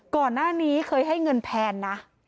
ก่อนหน้านี้เคยให้เงินแพนนะ